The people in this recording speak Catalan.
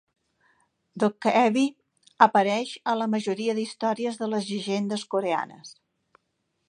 Dokkaebi apareix a la majoria d'històries de les llegendes coreanes.